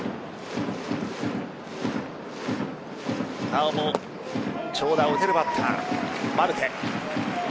なおも長打を打てるバッターマルテ。